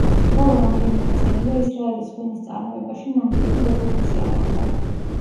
ბოლო რამდენიმე წელია ისრაელის ღვინის წარმოებაში ნამდვილი რევოლუცია მოხდა.